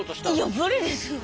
いや無理ですよね。